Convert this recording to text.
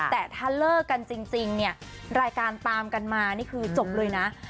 แต่ถ้าเลิกกันจริงเนี่ยรายการตามกันมานี่คือจบเลยนะ